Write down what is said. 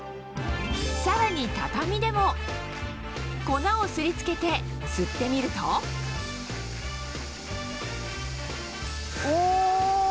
さらに畳でも粉をすり付けて吸ってみるとお！